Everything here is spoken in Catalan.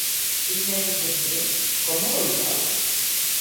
Sis mesos després, com ho veieu?